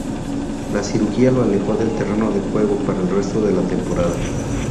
La cirugía lo alejó del terreno de juego para el resto de la temporada.